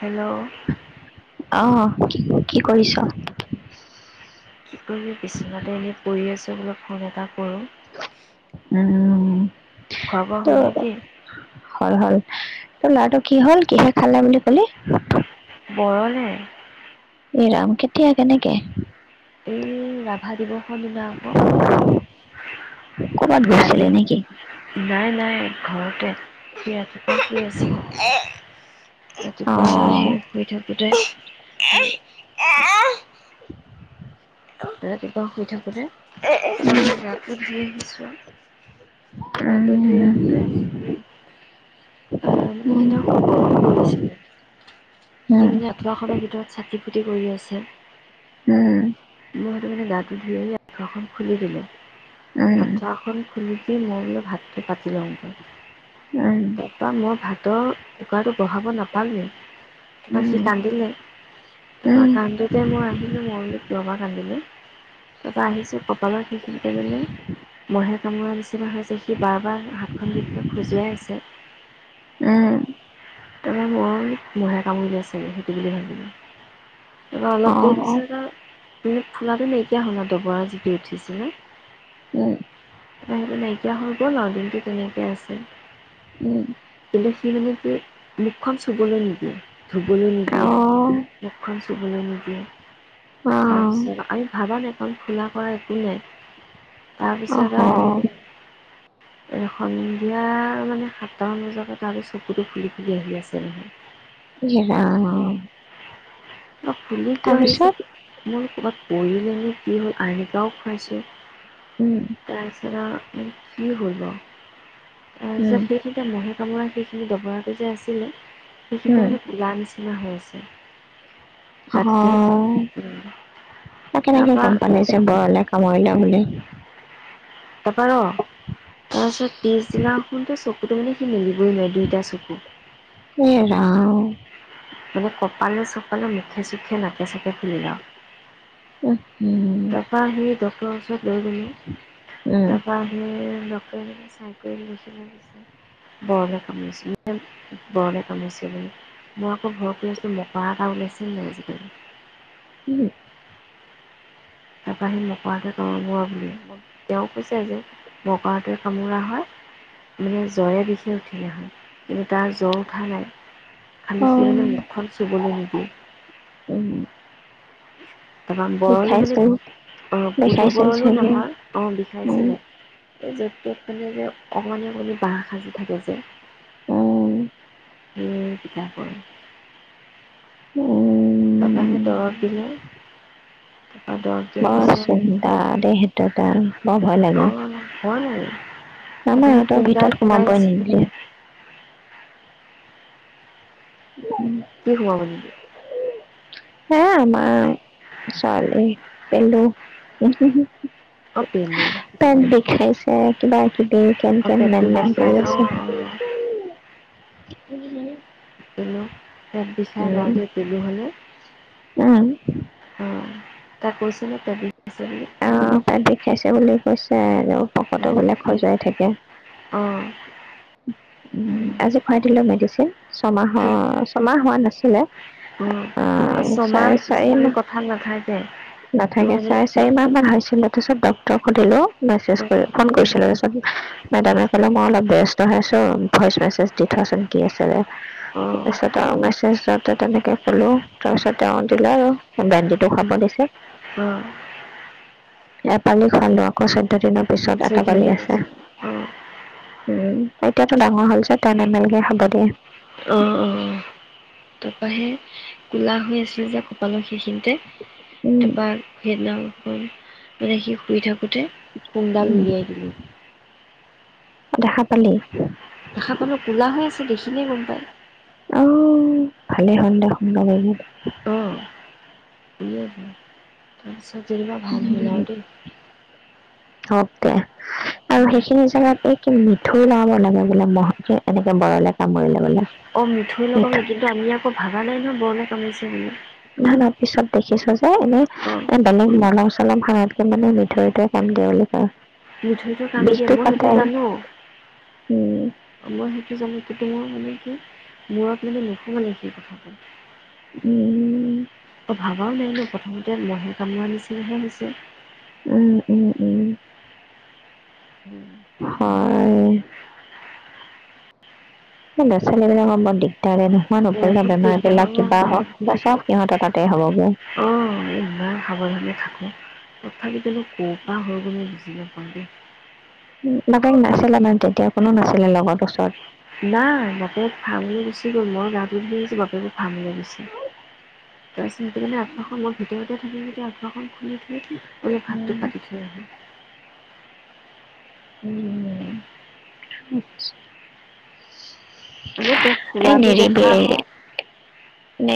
Hello অ', কি কি কৰিছ? কি কৰিবি বিচনাতে এনেই পৰি আছোঁ বোলে ফোন এটা কৰোঁ উম খোৱা বোৱা ত হ'ল নেকি? হল হল তোৰ ল'ৰাটো কি হল কিহে খালে বুলি কলি? [unintelligible] বৰলে এইৰাম কেতিয়া কেনেকে এই ৰাভা দিৱস দিনা আক ক'বাত গৈছিলে নেকি নাই নাই ঘৰতে, ঘৰতে আছিল ঘৰতে আছিল ৰাতিপুৱা অ', আহে শুই থাকো ই [unintelligible] [unintelligible] দাদা কিবা হৈ থাকোঁতে। উম, গাটো ধুই আহিছো। উম, উম, গা ধুই আহোতে চুলি আহ উম, উম, উম, মানে স খুব গৰম পৰিছিলে সি মানে আঁঠুৱাখনৰ ভিতৰত চাকি ফূৰ্তি কৰি আছে। উম মই সেইটো মানে গাটো ধুই আঁঠুৱাখন খুলি দিলোঁ, অ', আঠুৱাখন খুলি দি মই বোলো ভাতটো পাতি লওঁগে তাৰপৰা মই ভাতৰ কুকাৰটো বঢ়াব নাপালোৱে। তাৰপিছত সি উম, কান্দিলে তাৰপৰা কান্দোতে মই আহিলো মই কিয় বা কান্দিলে তাৰপৰা আহিছোঁ কপালৰ সেইখিনিতে মহে কামোৰাৰ নিচিনা যে সি বাৰ বাৰ হাতখন দি পেলনে খজুৱাই আছে। উম, তাৰপৰা মই মহে কামুৰিলে চাগে সেইটো বুলি ভাবিলো তাৰপৰা অলপ দেৰি পিছত আৰু তম ফুলাটো নাইকিয়া হল দবৰা যিটো উঠিছিলা। সেইটো নাইকিয়া হৈ গ'ল দিনটো তেনেকে আছে কিন্তু সি মানে কি মুখখন চুবলৈ নিদিয়ে ধুবলৈ অ', নিদিয়ে মুখখন চুবলৈ নিদিয়ে অ', তাৰপিছত আমি ভাবা নাই কাৰণ ফোলা কৰা একো নাই। তাৰপিছত অহ, আৰু সন্ধিয়া মানে সাতটা মান বজাতে তাৰ চকুটো ফুলিলে, বহি আছে নহয় ইয়ে ৰাম ফুলি কিয় আহিছে তাৰপিছত মোৰ ক'ৰবাত, পৰিলেনো কি হ'ল আইকাও খুৱাইছোঁ। উম, তাৰপিছৰত আও কি হব? অ উম, চেপ দেখি দামহে কামাৰ সেইখিনি দবৰাটো যে আছিলে সেইখিনিতে উম, মানে কোলা নিচিনা হৈ আছে। [unintelligible] তাত মানে অ কেনেকে তাৰপৰা গম পালে যে বৰলে কামোৰিলে বুলি তাৰপা ক তাৰপিছত পিছদিনাখনতে চকুটো মানে সি মেলিবই নোৱাৰে দুইটা চকু। এৰা মানে কপালে চপালে মুখে চুখে নাকে চাকে ফুলি আও। উম হম তাৰপৰা সি ডক্টৰৰ ওচৰত লৈ গ'লো উম তাৰপৰা সি- ডক্টৰ চাই কৰি লৈ কৈছিলে বৰলে কামুৰিছে বৰলে কামুৰিছিলে। মই আকৌ ভয় কৰি আছোঁ মকা এটা ওলাইছে যে আজিকালি উম তাৰপৰা সি মকঁৰাতোৱে কামোব বুলি তেওঁ কৈছে, যে মকঁৰাতোৱে কামোৰা হয় মানে জ্বৰে বিষি উঠিলে হয় কিন্তু তাৰ জ্বৰ উঠা নাই অ খালি সি মানে মুখখন চুবলৈ নিদিয়ে। উম তাপাম বৰলো বুলি বিষাইছিল আহ কুদু বিষাইছিল বৰলো চাগে নহয় আহ উম বিষাইছিলে। এই য'ত তত মানে যে অকণনি অকণনি বাঁহ সাজি থাকে যে, উম সেই কিতাপৰ। তাপাহে উম দৰৱ দিলে তাপা দৰৱ দিয়াৰ পিছত তা দেই সেইটো এটা বৰ ভয় লাগে। অ' হ'ল আৰু মামা তাৰপৰা সেই ইহঁতৰ কোনডাল ভিতৰত সোমাই সোমাবই আছিলে নিদিলে। কি সোমাব নিদিলে? হে আমাৰ ছোৱালী পেলু অ' পেলু পেট বিষাইছে কিবা কি দেৰি কেন অ' কেন পেটটো মেন মেন বিষাই কৰি অ' আছে। অ' [unintelligible] [unintelligible] উম তাত [unintelligible] পেলু হ'লে, উম অ'। তাক কৈছে নে পেট বিষাইছে বুলি? অ' পেট বিষাইছে বুলি কৈছে এনেও। পকৰটো বোলে খজুৱাই থাকে। অ' উ আজি খুৱাই দিলোঁ মেডিচিন। ছমাহৰ - ছমাহ হোৱা নাছিল। [unintelligible] উ এই ছমাহ চাৰি বুলি মাহ কথা নাথাকে। [unintelligible] [unintelligible] চব ডক্টৰক সুধিলো। মেছেজ কৰি, অ' ফোন কৰিছিলে তাৰপিছত মেডামে কলে মই অলপ ব্যচ ত হৈ আছোঁ ভইচ মেছেজ দি থোৱাচোন কি আছিলে। অ', তাৰপিছত আৰু মেছেজত তে তেনেকে কলো, তাৰপিছত তেওঁ দিলে আৰু বেণ্ডিতো খাব দিছে। উম। এপালি খোৱালো আকৌ চৈধ্য দিনত পিছত এটা চৈধ্য পালি জন আছে। অ', উম। এতিয়াতো ডাঙৰ হল যে টেন এম এল কে খাব দিয়ে। অ' অ'। তাৰপা সে কু'লা হৈ আছিল যে কপালৰ সেইখিনি তে উম তাৰপা সেইদিনাও [unintelligible] মানে সি শুই থাকোঁতে শুং দাল উম উলিয়ায় দিলোঁ। দেখা পালি? দেখা পালো কুলা হৈ আছে। দেখিলেই গম পায়। অ' ভালে হল দে [unintelligible] [unintelligible] চব [unintelligible] পা ভাল হয় আৰু দেই। হক দেহ। আৰু সেইখিনি জেগাতে কি মিঠৈ লগাব লাগে বোলে মহে -কি এনেকে বৰলে কামুৰিলে বোলে। অ' মিঠৈ লগাব লাগে কিন্তু আমি আকৌ ভাবা নাই নহ বৰলে কামুৰিছে বুলি। নহয় নহয়, পিছত দেখিছ এ এনে অ', এ বেলেগ নান চলপ ভাতকে মানে মিঠৈটোৱে কাম দিয়া বুলি কয়। মিঠৈতো কাম দিয়ে বিষটো মই কাটে সেইটো জানো। উম মই সে [inaudible] মানে কি মূৰত মানে নুসুমালে সেইখিনি কথা। উম অ ভাবাও নাই নো প্ৰথমতে মহে কাম নিছিনাহে হৈছে উম উম উম। [unintelligible] হয়। এ ল'ৰা ছোৱালী বিলাকৰ বৰ দিগদাৰ ন বহুত দিগদাৰ অ চব সিহঁতৰ তাতে হ'বগে ইমান সাৱধানে থাকো। তথাপিতনো ক'ৰ পৰা হৈ গ'ল মই বুজি নাপাও দে। বাকে নাছিলে মানে তেতিয়া কোনো নাছিলে লগৰ ওচৰত। নাই বাপেক [inaudible] মই গাটো ধুই বাপেকক ভাল লাগিছে। [inaudible] আঠুৱাখন ম ভিতৰত তেতিয়া থাকি যেতিয়া আঠুৱাখন খুলি থ বো ভাতটো পাতি থৈ আহি উম। আতছ মানে তই এ ফুলাটো নেৰিবি দেখা হয়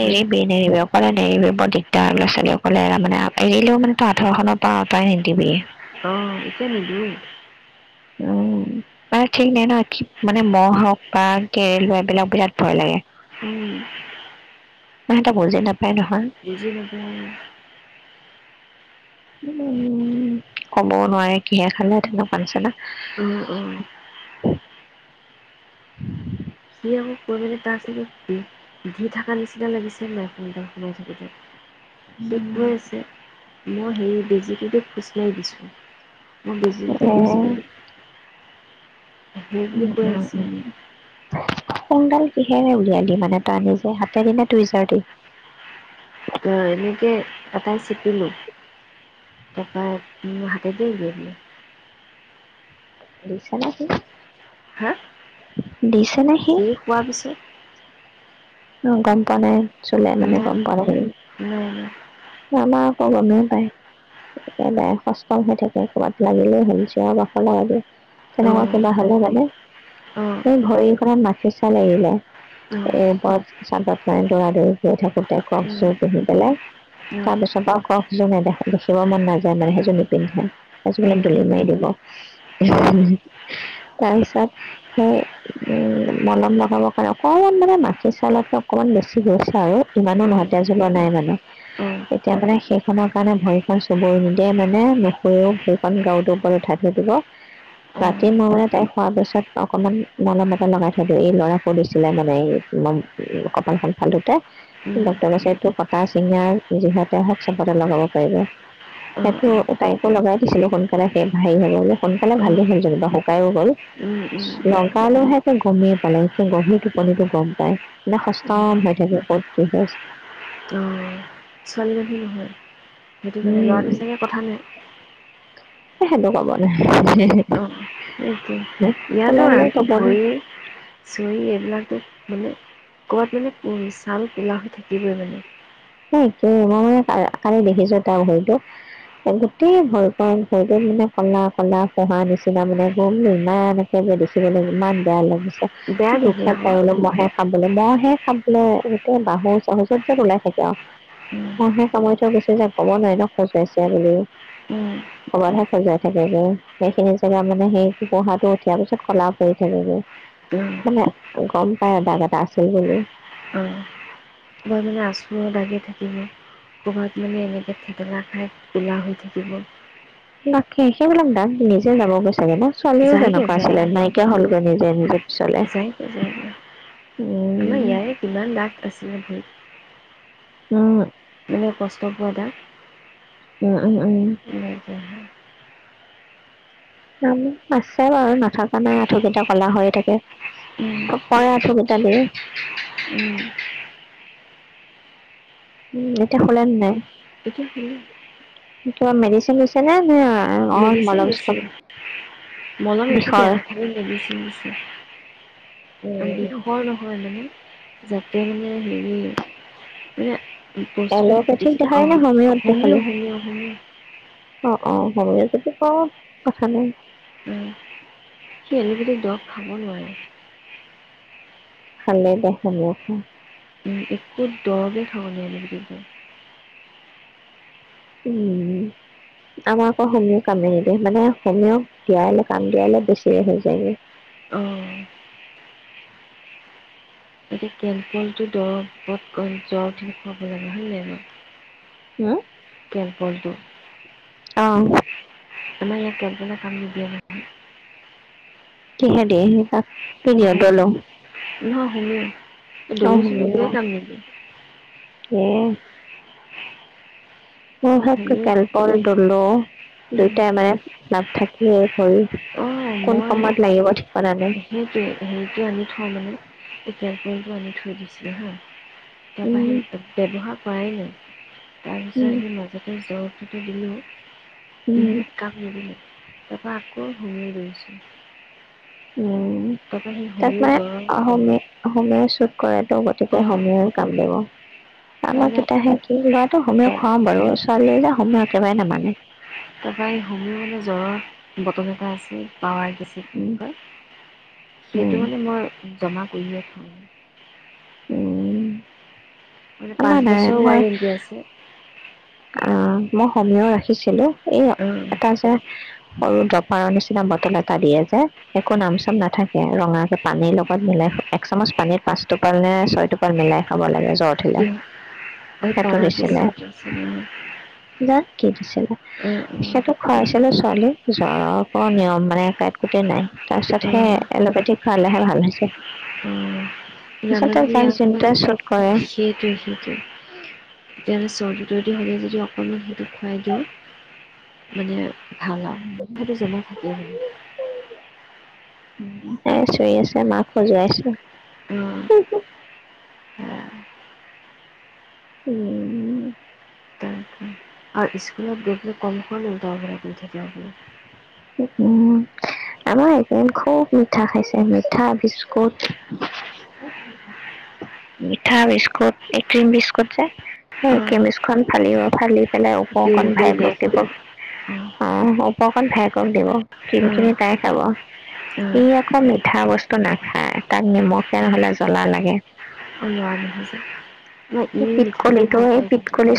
ভয়ে খালোঁ নেৰিবি অকলে নেৰিবি বৰ দিগদাৰ ল'ৰা ছোৱালী অকলে মানে এৰিলেও মানে তই আথোৱাখন পা আঁতৱাই নিদিবি। অ এতিয়া নিদিওঁ উম মানে ঠিক নাই ন মানে মহ' হওক বা কেৰে লোৱা এইবিলাক বিৰাট ভয় লাগে। উম। ম সেটা বুজি নেপ [unintelligible] উম ক'বও নোৱাৰে কিহে খালে তেনেকুৱানিছি না অ অ। সি আকৌ কৈ মেলে তাক চাগে দি থকা নিচিনা লাগিছে মইোনদম [unintelligible] সোমাই থাকোতে শিকি আছে মই হেৰি বেজিকেইটো খুচৱাই দিছোঁ। মই এ বেজিতো খুছোৱাই। উম উম উম। [inaudible] সুং ডাল কিহেৰে উলিয়ালি দি মানে তই নিজে হাতে দি নে তুইজাৰ দি তো এনেকৈ এটাই চেপিলো তাপা মো হাতে দি উলিয়াই দি দিচেনে সি। হা সি সিয়ে শুৱা পিছত অ গম পোৱা নাই। চোলে মানে নাই গম পোৱা নাই নাই [inaudible] আমা গমেইও পায়, একেবাৰে সষ্টম হৈ থাকে ক'ৰবাত লাগিলেই হ'ল চিঞৰ বাখৰ লগাই দিয়ে, তেনেকুৱা অঁ কিবা হ'লে মানে, অঁ এই ভৰিখনত মাখি চাল এৰিলে, অঁ এই ওপৰত। চত মানে দৌৰা দৌৰি গৈ থাকোতেই কৰকচ উম উম পিন্ধি পেলাই, তাৰ পিছত আৰু কৰকচ যোৰ নেদেখা দেখিব মন নাযায় মানে সেইযোৰ নিপিন্ধে, সেইযোৰ মানে দলি মাৰি দিব, উম তাৰপিছত সেই উ মলম লগাবৰ কাৰণে অকমান মানে মাখি। সেই চাউলতকে অকণমান বেছি গৈছে আৰু ইমানো অঁ অঁ নহয় তেজ ওলোৱা নাই মানে, অঁ অঁ এতিয়া মানে সেইখনৰ কাৰণে ভৰি খন চুব নিদিয়ে মানে নুশুৰেও ভৰি খন গাঁৱটোৰ ওপৰত উঠাই থৈ দিব, উম ৰাতি মই মানে তাই সোৱাৰ পিছত অকনমান মলম এটা লগাই থৈ দিওঁ এই ল'ৰা সো দিছিলে মানে এই। কপালখন ফালুতে ডক্তৰে কৈছেএইটো কটা চিঙা যিহতে হওঁক চবতে লগাব পাৰিব অঁ অঁ অঁ সেইটো তাইকো লগাই দিছিলো সোনকালে সেই হৰি হ'ব বুলি সোনকালে ভালো হ'ল যেনিবা শুকাইও গ'ল। উম উম উম লগালেহে। গমেই পালে এতিয়া গভিৰ টোপনিতটো গম। পাই সষ্টম হৈ থাকে ক'ত কি হয়। ছোৱালীৰ মানুহ নহয়। সেইটো কাৰণে উম ল'ৰাটো চাগে কথা নাই। হেনেকুৱা মানে। অ সেইটো ফুলে ইয়াতো ফুলে চবৰে ভৰি, চুই এইবিলাকতো। মানে, ক'ৰবাত মানে চাল কুলা হৈ থাকিবই মানে। সেই মই কালি দেখিছো তাৰ ভৰিটোক গোটেই ভৰি ভৰিটোক মানে, কলা কলা ফোহা নিচিনা মানে গম ইমানকে যে দেখিবলৈ ইমান বেয়া লাগিছে। বেয়া দেখি দুখে আকৌ পায় অঁ গ'লে মহে খাবলৈ মহে। খাবলে গোটেই বাহু চহজত যেত ওলাই থাকে আৰু। মইহে কমাই থৈ গুচি যে ক'ব নোৱাৰিলোঁ খজাইছে বুলিও, অঁ ক'ৰবাতহে সজাই থাকেগৈ সেইখিনি জেগা মানে সেই টোপোহাটো উঠিয়াৰ পিছত কলাও পৰি থাকেগৈ, মানে গম পাই আৰু দাগ এটা আছিল বুলি। ক'ৰবাত মানে আঁচুৰো লাগি থাকিব, ক'ৰবাত মানে এনেকৈ থঠেকেলা খাই কুলা হৈ থাকিব। তাকে সেইবিলাক দাগ নিজে যাব গে। মোৰ ছোৱালীও যায়গৈ যেনেকুৱা আছিলে যায়গৈ নাইকিয়া হ'লগৈ নিজে নিজে পিছলে, যায়গৈ যায়গৈ আমাৰ উম। ইয়াৰে কিমান দাগ আছিলে ভৰিত অ। মানে কষ্ট পোৱা তা। উম উম উম। আছে বাৰু নাথকা নাই আঁঠুকেইটা ক'লা হৈ থাকে। প পাৰে আথু কিতা। কালি। উম এতিয়া শুলা নে নাই। এতিয়া। কিবা মেডিচিন দিছে নে ন। মেডিচিন লৈছে, মলম একো বিষৰ দিয়া নাই মেডিচিন লৈছে, উম বিষৰ নহয় মানে। যাতে মানে হেৰি মানে। বস্তুটো এল'পেথিক অ দেখালি নে হোমিঅ'ত শুনিলোঁ দেখালি শুনিলোঁ শুনিলোঁ। অ অ সময়ে যদি কওঁ, কথা নাই। এলুবেটিক দৰব খাব নোৱাৰে। ভালেই দেহ হ'ব। একো দৰৱে খাব নোৱাৰিব। উম আমাক আকৌ হে কামেই নিদিয়ে মানে হ'লেও দিয়াই লৈ কাম দিয় লৈ বেছিয়ে হৈ যায়গে। অ। এতিয়া কেনলটো দৰত জ্বৰ খুৱাব লাগে হয় ন ন। ন। ফুটবলটো। আহ। আমাৰ ইয়াত কপ্লনা কাম নিদিয়ে নহয়। কিহে দিয়েহী তাক দুুনীয়া দলং [unintelligible] দলিল চছিল একোয়ে কাম নিদিয়ে এ উম হেক কে হোমিও কেলপন দলো দুয়োটাই মানে ভালাব থাকিয়ে ভৰি অঁ কোন মই সময়ত লাগিব। ঠিকনা নাই। সেইটোৱে হেৰিতে আনি থওঁ মানে ইয়াৰপতটো আনি থৈ দিছোঁ হা তাপা উম, ব্যৱহাৰ কাইলৈ তাৰপিছত উম, সি মাজাতে জ্বৰ সিটো দিলোঁ উম, ওহো কাপ নিদিলে তাৰপৰা আকৌ শুমি লৈছোঁ উম তাত মানে জ্বৰৰ অমে অমে কৰাটো গতিকে অঁ সময়ৰ কাম আমাক তাৰমানে কেতা সে কি লটো হমেও তাৰ- খুৱাওঁ বাৰু ছোৱালীয়ে জ মানে একেবাৰে নামানে তাৰপৰা হোমিও মানে জ্বৰৰ বটল এটা আছে পাৱাৰ গেচিপ উম, বুলি কয় উম, সেইটো মানে মই জমা কৰিয়ে থও মানে উম মানে পাঁচ আমাৰ নাই বছৰ মই ৱাৰেণ্টি আছে মই সমীয় ৰাখিছিলোঁ এই এটা অঁ যে সৰু ড্ৰপাৰৰ নিচিনা বটল এটা দিয়ে যে একো নাম চাম নাথাকে ৰঙাকে পানীৰ লগত মিলাই এক চামুচ পানী পাঁচ টোপাল নে ছয় টোপাল মিলাই খাব লাগে। জ্বৰ উঠিলে সেইটো [unintelligible] অঁ [unintelligible] অঁ সেটো খুৱাইছিলো ছোৱালীক জ্বৰক অ নিয়ম মানে কাইত কোটেই নাই তাৰপিছত অঁ সে অঁ এলোপেথিক খালে হে ভাল হৈছে। অ' [unintelligible] আচলতে যাক যোনটোৱে চুট কৰে সেইটোৱে, সেইটোৱে। তেতিয়াহ'লে চৰ্দি-তৰ্দি হ'লে যদি, অকণমান সেইটো খুৱাই দিওঁ। মানে, ভাল আৰু। সেইটো যেনে থাকি আহিলে। হে চিয়ৰি আছে। মাক খজুৱাইছে। অ', সেয়া উম। তাকে আৰু স্কুলত গৈ পেলাই কমখন [unintelligible] থাকে বোলো উম, আমাৰ এইকেইদিন খুব মিঠা খাইছে। মিঠা বিস্কুট। মিঠা বিস্কুট, এই ক্ৰীম বিস্কুট যে, সেই অ', ক্ৰীম বিস্কুটখন ফালিব, ফালি। পেলাই ওপৰকণ দিনটো উলিয়াই ভায়েকক দিব, খাব অ'। অকণ ভায়েকক দিব। অ', ক্ৰীমখিনি তাই খাব। ই অ', আকৌ মিঠা বস্তু নাখায়, তাক নিমখীয়া নহ'লে, জ্বলা লাগে। অনোৱাৰ নহয় যে, নহয় এই ই মিঠা খাই পিতকলিটো ভাল এই পায় কিন্তু। পিতকলি